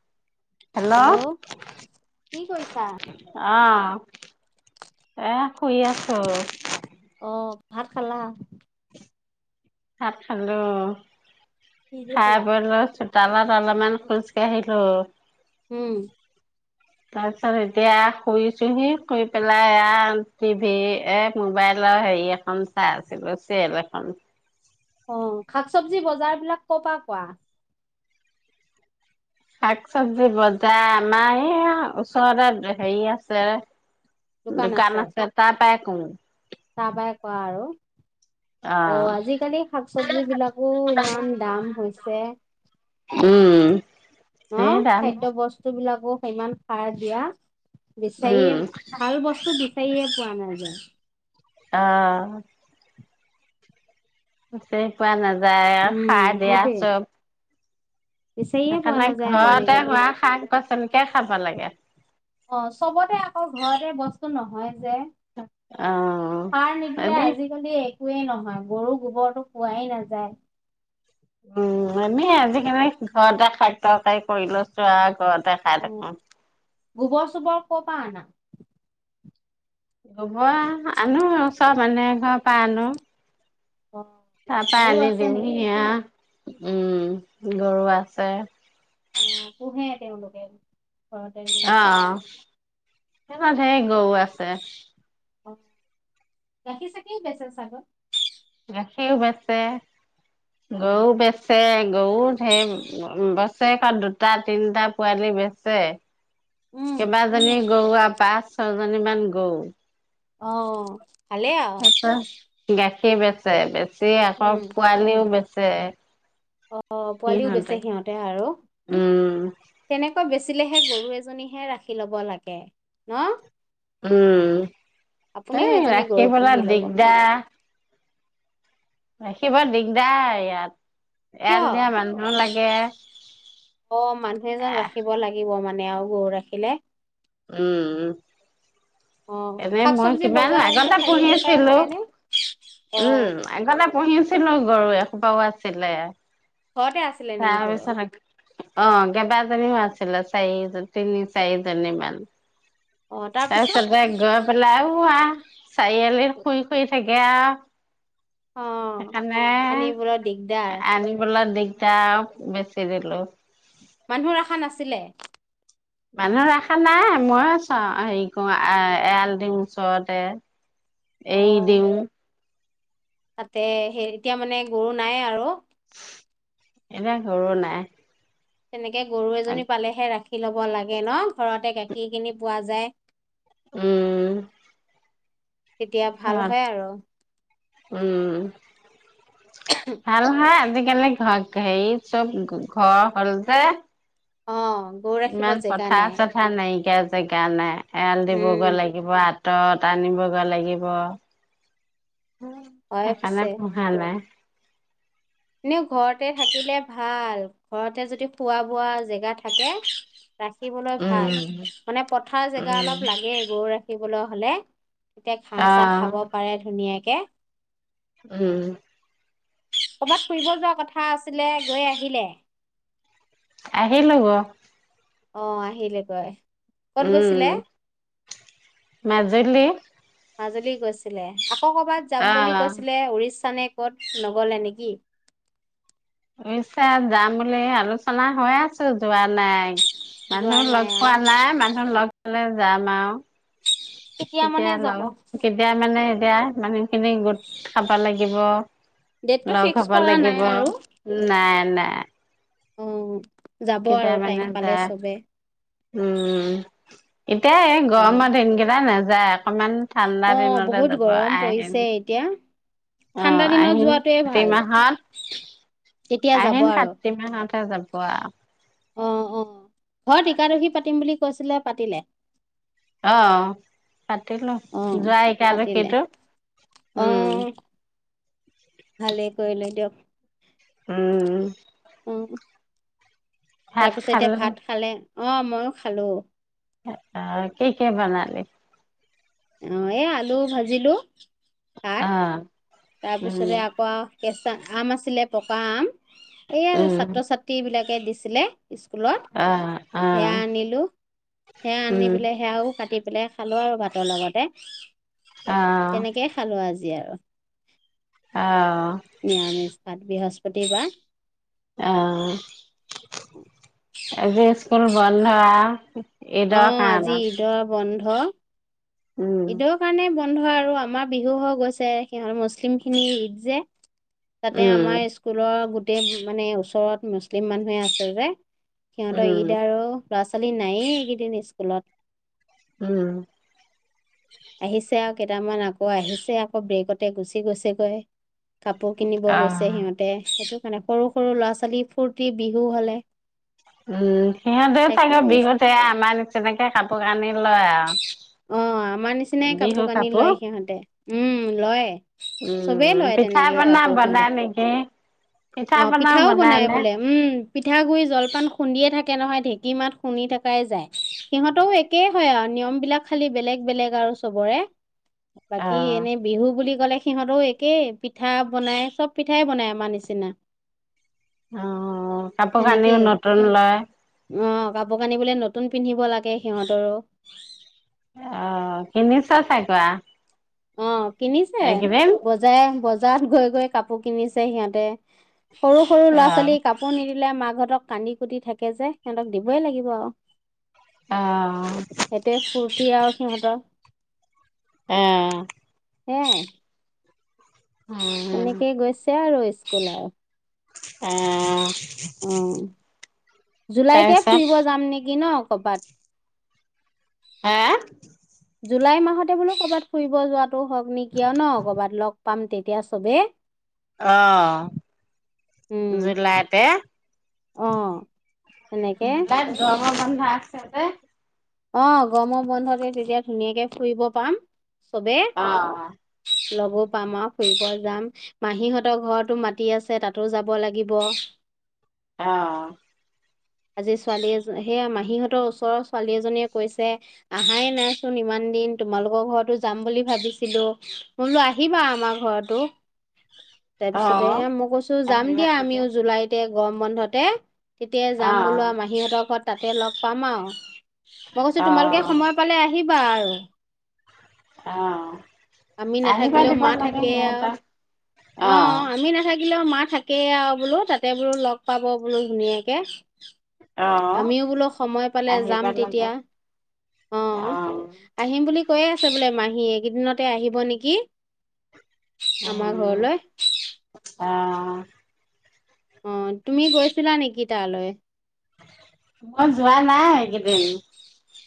[inaudible] Hello কি কৰিছা? আহ এ শুই আছো আহ ভাত খালা তাত খালো কি দি খা খালা? ভাল আছো [unintelligible] তালত অলপমান খোজ কাঢ়িলো হম তাৰপিছত এতিয়া শুইছোহি শুই পেলাই টিভি এ মোবাইলৰ হেৰি এখন চাই আছিলো চিৰিয়েল এখন অ শাক চবজি বজাৰ বিলাক ক পা কোৱা শাক-চবজি বজাৰ আমাৰ এই ওচৰতে হেৰি আছে। দোকান আছে, তাত [unintelligible] তাপাই কোৱা আৰু অ আজিকালি শাক-চবজি বিলাকো ইমান দাম হৈছে। উম অ সেই দাম খাদ্য বস্তু বিলাক উফ ইমান সাৰ দিয়া। উম বিচাৰিয়ে--ভাল বস্তু বিচাৰিয়ে পোৱা নাই। নাযায়। অ বিচাৰি পোৱা নাযা যায় সাৰ উম দিয়া সেইটোৱে চব। বিচাৰিয়ে পোৱা সেইকাৰণে নাযায় ঘৰতে আজিকালি। হোৱা শাক-পাচলি কে খাব লাগে। অ চবতে আকৌ ঘৰতে বস্তু নহয় অ' যে--সাৰ নিদিলে এনেই আজিকালি এ একোৱেই নহয়, গৰু গোবৰটো পোৱাই নাযায়। উম, আমি আজিকালি ঘৰতে শাক-তৰকাৰী কৰি লৈছোঁ আও ঘৰত অ গোবৰ-চোবৰ কৰ পা আনা? গোবৰ আনো আও চব মানুহৰ ঘৰৰ পা আনো। অ তাৰ পা গৰু আনি আছে দেউহি নেকি? আ উম গৰু আছে। উম পোহে তেওঁলোকে। ঘৰতে অ গৰু। সিহঁতৰ ধেৰ গৰু আছে। অ গাখীৰ-চাখীৰ বেচে ছাগে। সিওঁ বেচে। গৰু অ'। বেচে গৰুত ধেৰ বছেৰেকত দুটা, তিনিটা পোৱালি বেচে। উম, কেইবাজনী গৰু আও পাঁচ ছয়জনী মান গৰু। অ ভালেই আৰু ছয়টা গাই কে বেচে বেছ চে আকৌ উম, পোৱালিও বেছি যে, অ পোৱালিও বেছে সিহঁতে আৰু উম তেনেক আকৌ বেচিলেহে গৰু এজনীহে ৰাখি ল'ব লাগে ন উম আপুনিও এই এজনী গৰু পুহি ৰাখিবলৈ ল'ব, দিগদা ৰাখিব দিগদাৰ ইয়াত এৰাল কিয় দিয়া মানুহ লাগে অ মানুহ এজন আহ ৰাখিব লাগিব মান মানে আৰু গৰু ৰাখিলে উম উ অ শাক চব্জি বজাইনে খাৰিআলিৰ পৰাই পুহিছিলো কয় ন অ উম আগতে পুহিছিলো গৰু এসোপাও আছিলে ঘৰতে আছিলে নেকি কৰ তাৰপিছত অ কেইবাজীও আছিলে চাৰিজন তিনি চাৰিজনী মমান অ', আৰু তাৰপিছত? ছবে গ পেলাই আ চাৰিআলিৰ শুই শুই থাকে অ আনিবলৈ দিগদাৰ সেইকাৰণে আনিবলৈ দি টা বেছি দিলো মানুহৰ আশা নাছিলে মানুহ ৰখা নাই ময়ো চাওঁ হেৰি কৰো এ এৰাল দিওঁ ওচৰতে অ এই দিওঁ তাতে সেই এতিয়া মানে গৰু নাই আৰু এনে ঘৰু নাই তেনেকে তাকে গৰু এজনী পালেহে ৰাখে গাখীৰ লব লাগে ন ঘৰতে গাখীৰ খিনি পোৱা যায় উম তেতিয়া ভাল ঘৰত হয় আৰু উম ভাল হা দি কেনে ঘ হেৰি চব ঘৰ হল যে অ গৰু ৰাখিব ইমান জেগা পথা নাই চথা নাইকিয়া সেই কাৰণে এৰাল উম দিবগে লাগিব আ বাতত আনিবগা লাগিব হয় সকাৰ নে পিছে পোহাল নাই এনে ঘৰতে থাকিলে ভাল ঘৰতে যদি খোৱা বোৱা জেগা থাকে ৰাখিবলৈ ভাল উম মানে পথাৰ জেগা উম অলপ লাগে গৰু থাকিবলৈ হলে। এতিয়া ঘাঁহ অ চাহ খাব পাৰে ধুনীয়াকে। কে উম ক'বাত ফুৰিব যোৱা কথা আছিলে, গৈ আহিলে। আহিলো গ অঁ আহিলে গৈ। উম, মাজুলী মাজুলী গৈছিলে। লোকসভাত যাম অ বুলি কৈছিলে, উৰিষ্যানে ক'ত, নগলে নিকি? উইছা যাম বুলি আলোচনা হৈ আছো, যোৱা নাই। যোৱা মানুহ নাই লগ আৰু। পোৱা নাই, মানুহ লগ ফালে যাম আউ। মানে কেতিয়া যাব? লও, কেতিয়া মানে এতিয়া মানুহ খিনি গোট খাব লাগিব। ডেটটো লগ হব ফিক্স কৰা লাগিব নাই আৰু। নাই, নাই। উম কেতিয়া মানে যাই, উম। এতিয়া এই ভালে। গৰমৰ দিনকেইটাই নেজ [unintelligible] অকমান ঠাণ্ডা অ দিনতে বহুত যাব, গৰম আইহেন পৰিছে এতিয়া, অঁ ঠাণ্ডা দিনত আহিন যোৱাটোৱে কাতি ভাল। মাহত, তেতিয়া যাব আহিন আৰু। কাতি মাহত তে যাব আও। অ অ ঘৰত ইকাদশী পাতিম বুলি কৈছিলে, পাতিলে? অ, অ। অ, পাতিলে অ উম, ভালেই কৰিলে দিয়ক। উম। হোহু। ভাত তাৰপিছত এতিয়া খালো ভাত খালে? অ মইও খালো। এ আ কি কি বনালি? অ, এ আলু ভাজিলো। ভাত অঁ তাৰপিছতে আকৌ কেঁচা আম আছিলে টকা আম এইয়া উম, ছাত্ৰ ছাত্ৰী বিলাক ে দিছিলে স্কুলত অ', সেয়া অ', আনিলোঁ সেয়া আনি উম, পেলাই সেয়াও কাটি পেলাই খালো আৰু ভাতৰ লগতে অ', তেনেকেই খালো আজি আৰু অ', নিমিত বৃহস্প [unintelligible] কতিয়াবা অ এব স্কুল বন্ধ উম অ আজি ঈদ বনধ হা উম, সটোৰ কাৰণে বন্ধ আৰু আমাৰ বিহু হৈ গৈছে সিহঁত মুছলিম খিনি ঈদ যে তাতে উম, আমাৰ স্কুলৰ গো গোটেই মানে ওচৰত মুছলিম মানুহে আছে যে সিহঁতৰ উম, ঈদ আৰু ল'ৰা ছোৱালী নাযয়েই এইকেইদিন স্কুলত উম আহিছে আৰু কেইটামান আকৌ আহিছে আকৌ ব্ৰেকতে গুচি গৈছেগৈ কাপোৰ কিনিব গৈছে অ', সিহঁতে সেইটো মানে সৰু সৰু ল'ৰা ছোৱালী ফূৰ্তি বিহু হালে উম সিহঁতেও চাগে কৰি আছে বিহুতে আমাৰ তেনেকে কাপোৰ কানি লয় আৰু অ আমাৰ নিচিনাই কাপোৰ কানি লয় সিহঁতে উম লয় চবেই উম, লয় পিঠা তেনেকে পনা কাপোৰ সিহতে বনাই নেকি? পিঠা অ পনাও পিঠাও বনাই নে? বোলে উম পিঠাগুৰি জলপান খুন্দিয়ে থাকে ে নহয় ঢেঁকী মাত শুনি থকাই যায় সিহঁতেও একে হয় নিয়ম বিলাক খালি বেলেগ বেলেগ আৰু চবৰে বাকী অ', এনে বিহু বুলি গলে সিহঁতও একে পিঠা বনাই চব পিঠাই বনাই আমাৰ নিচিনা অঁ কাপোৰ কানিওঁ নতুন লয় অঁ কাপোৰ কানিবলে নতুন পিন্ধিব লাগে সিহঁতৰো অঁ তিনিছ চাইকোৱা অঁ কিনিছে বজাৰে বজাৰত গৈ গৈ কাপোৰ কিনিছে সিহঁতে সৰু সৰু ল'ৰা অ', ছোৱালী কাপোৰ নিদিলে মাক সিহঁতক কান্দি কুটি থাকে যে সিহঁতক দিবই লাগিব আৰু অ', সেইটো ফূুৰ্তি আৰু সহত [unintelligible] আহঁ সেয়াই উম, এনেকৈ গৈছে আৰু সেয়া উম অঁ অঁ জুলাইতে তাৰপিছত ফুৰিব যাম নেকি ন কৰবাত হে জুলাই মাহতে বোলো ক'ৰবাত ফুৰিব যোৱাত হওক নেকি আৰু ন কৰ'বাত লগ পাম তেতিয়া চবে আঁহ উম জুলাইতে অ তেনেকে দেটাই যাব বন্ধা [unintelligible] আছে অঁ গৰমৰ বন্ধতে তেতিয়া ধুনীয়াকে ফুৰিব পাম চবে অ', লগো পাম আৰু ফুৰিব যাম মাহীহঁতৰ ঘৰতো মাতি আছে তাতো যাব লাগিব আঁহ আজি ছোৱালী এ সেইয়া মাহীহঁতৰ ওচৰৰ ছোৱালী এজনী জনীয়ে কৈছে আহাই নাই চোন ইমান দিন তোমালোকৰ ঘৰতো যাম বুলি ভাবিছিলো বোলো আহিবা আমাৰ ঘৰত তো অ', তাৰপিছতেহে মই কৈছো যাম আহিব দিয়া চাগে আমিও জুলাইত তে গৰম বন্ধতে তেতিয়া যাম বোলো অ', মাহীহঁতৰ ঘত তাতে লগ পাম আৰু মই কৈছো তোমালোকে অ', সময় পালে আহ আহিবা আৰু অ', [unintelligible] আমি আহিব নাথাকিলেও দিব মা লাগে থাকে আৰু, সিহঁতক অ আমি নাথাকিলেও মা থাকেই আৰু বোলো তাতে বোলো লগ পাব বোলো ধুনীয়াকে অ', আমিও বোলো সময় পালে আহিব যাম লাগে তেতিয়া অ অ'। আহিম বুলি কৈ আছে বোলে মাহী এইকেইদিনতে আহিব নেকি আমাৰ ঘৰলৈ অঁ অ তুমি গৈছিলা নেকি তালৈ মই যোৱা নাই সকেইদিন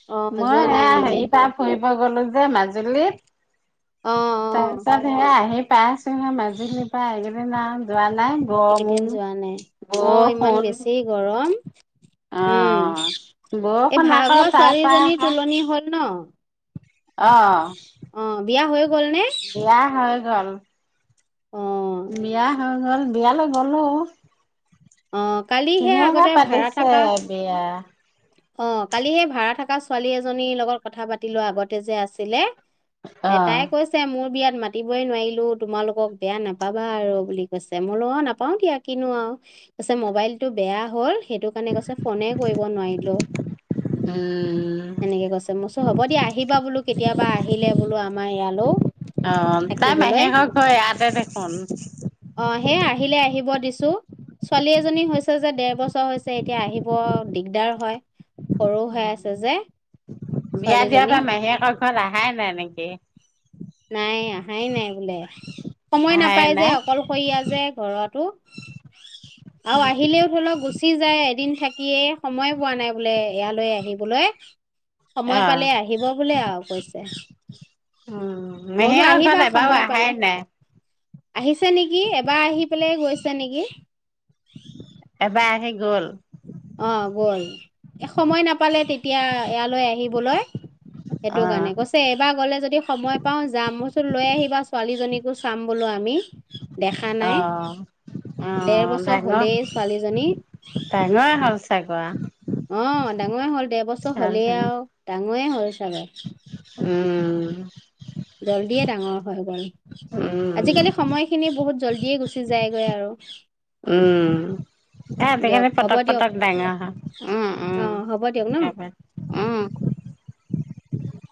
অ' মই যোৱা এ নাই নেকি হেৰি পাৰ ফুৰি মই গ'লে যে মাজুলীত তাৰ অ' অ' পিছত সে আহি পাইছোন সে মাজুলখিনিৰ পৰা সকেই ন য এইকেইদিন যোৱা নাই অ ইমান বৰষুণ বেছি গৰম উম অ', এই বৰষুণ আকৌ ভাগৰ তাৰ পৰা ছোৱালীজনীৰ আহা তুলনি হল ন অ অ' বিয়া হৈ গ'ল নে? বিয়া হ ঘাল [unintelligible] অ' হল বিয়ালৈ গ'লো অ কালিহে ধুনীয়াকে আগতে ভাড়া পাতিছে থাকা বিয়া। অ কালি সে ভাড়া থাকা ছোৱালী এজনীৰ লগত কথা পাতি লোৱা আগতে যে আছিলে অ', এটাই কৈছে মোৰ বিয়াত মাতিবই নোৱাৰিলো তোমালোকক বেয়া নাপাবা আৰু বুলি কৈছে মই ল নাপাও দিয়া কিনো আৰু পাৰছত মোবাইলটো বেয়া হ'ল সেইটো কাৰণে কৈছে ফোনে কৰিব নোৱাৰিলো উম, তেনেকে কৈছে মোৰ হ'ব দিয়া আহিবা বোলো কেতিয়াবা আহিলে বোলো আমাৰ ইয়ালৈও অ', তাই থাকিবলৈ মাহীয়েকৰ ঘৰ ইয়াতে দেখোন। আহ স আহিলে আহিব দিছো ছোৱালী এজনী হৈছে যে দেৰ বছৰ হৈছে এতিয়া আহিব দিগদাৰ হয় সৰু হৈ আছে যে বিয়া দিয়া ছোৱালীজনী পা মাহিয়েকৰ আহাই নাই তেনেকে নাই নাই বোলে সময় আহাই নাপাই যে নাই অকলশৰীয়া যে ঘৰুৱটো আৰু আহিলেও ধৰি লওক গুচি যায় এদিন থাকিয়ে সময় পোৱা নাই বোলে ইয়ালৈ আহিবলৈ সময় পালে অ', আহিব বোলে আৰু কৈছে উম মই বোলো মেহেঙৰ আহিবা ঘলোই এবাৰো সময় আহা পালে নাই আহিছে নেকি এবাৰ আহি পেলাই গৈছা নেকি এবাৰ আহি গ'ল অ গল সময় নাপালে তেতিয়া ইয়ালৈ আহিবলৈ। সেইটো অ', কাৰণে কৈছে এইবাৰ গ'লে যদি সময় পাও যাম মইচোন লৈ আহিবা ছোৱালীজনীক। চাম বোলো আমি। দেখা নাই অ', দেৰ অ', বছৰ ডাঙৰ হলেই ছোৱালীজনী। ডাঙৰে হ'ল চাগোৱা। ডাঙৰেই হ'ল। দেৰ বছৰ হ'লেই আৰু তা মোৰেই হয়। উম। উম। জল্ডিয়ে ডাঙৰ হয় গ'ল উম, আজিকালি সময়খিনি বহুত। জল্ডীয়ে গুচি যায়গৈ আৰু। উম এয়া দিয়ক আজিকালি হ'ব পটক দিয়ক পটক ডাঙৰ হয় উম উম অঁ হ'ব দিয়ক ন সবৰে উম।